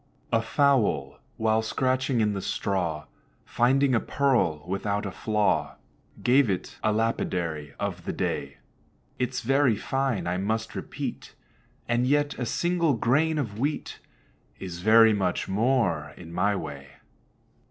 A Fowl, while scratching in the straw, Finding a pearl without a flaw, Gave it a lapidary of the day. "It's very fine, I must repeat; And yet a single grain of wheat Is very much more in my way."